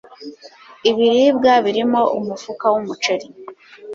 ibiribwa birimo umufuka w umuceli